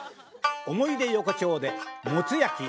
思い出横丁でもつ焼き。